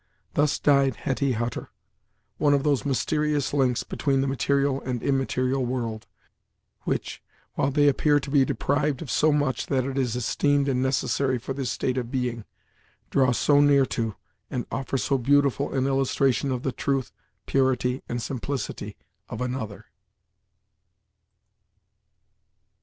Thus died Hetty Hutter, one of those mysterious links between the material and immaterial world, which, while they appear to be deprived of so much that it is esteemed and necessary for this state of being, draw so near to, and offer so beautiful an illustration of the truth, purity, and simplicity of another.